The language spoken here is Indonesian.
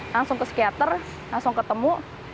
langsung ke psikiater langsung ketemu